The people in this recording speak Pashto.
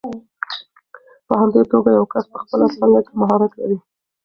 په همدې توګه یو کس په خپله څانګه کې مهارت لري.